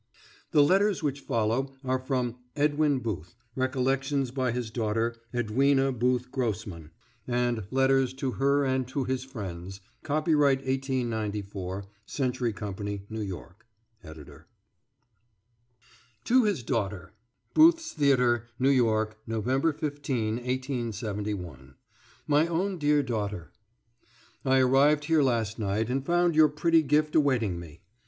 The letters which follow are from "Edwin Booth: Recollections by his daughter, Edwina Booth Grossman, and Letters to Her and to His Friends." Copyright, 1894, Century Company, New York. ED.] TO HIS DAUGHTER BOOTH'S THEATER, NEW YORK, November 15, 1871. MY OWN DEAR DAUGHTER: I arrived here last night, and found your pretty gift awaiting me.